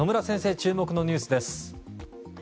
注目のニュースです。